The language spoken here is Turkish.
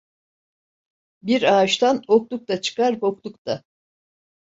Bir ağaçtan okluk da çıkar, bokluk da.